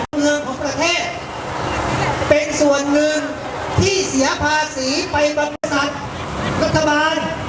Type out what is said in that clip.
เมืองของประเทศเป็นส่วนหนึ่งที่เสียภาษีไปบางบริษัทรัฐบาล